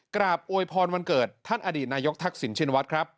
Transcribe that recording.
โวยพรวันเกิดท่านอดีตนายกทักษิณชินวัฒน์ครับ